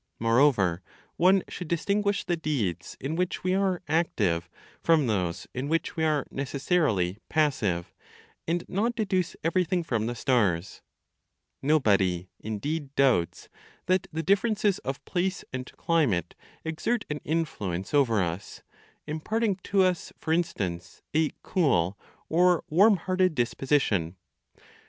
Moreover, one should distinguish the deeds in which we are "active," from those in which we are necessarily "passive," and not deduce everything from the stars. Nobody, indeed, doubts that the differences of place and climate exert an influence over us, imparting to us, for instance, a cool or warm hearted disposition.